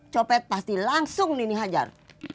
copet pasti langsung nini hajar